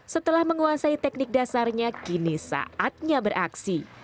setelah menguasai teknik dasarnya kini saatnya beraksi